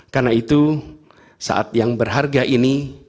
karena itu saat yang berharga ini